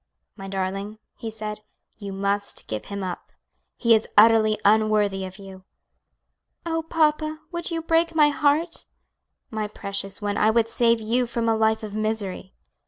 "My darling," he said, "you must give him up; he is utterly unworthy of you." "Oh, papa! would you break my heart?" "My precious one, I would save you from a life of misery."